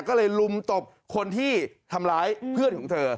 ก็เลยลุมตบคนที่ทำร้ายเพื่อนของเธอ